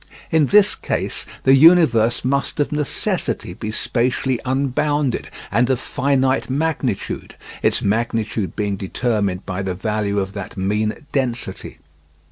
In this case the universe must of necessity be spatially unbounded and of finite magnitude, its magnitude being determined by the value of that mean density.